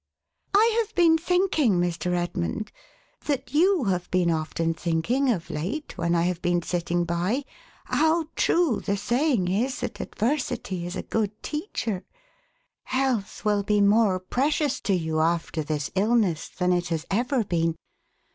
" I have been thinking, Mr. Edmund, that you have been often thinking of late, when I have been sitting by, how true the saying is, that adversity is a good teacher. Health will be more precious to you, after this illness, than it has ever been.